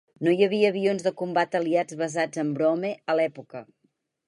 No hi havia avions de combat aliats basats en Broome a l'època.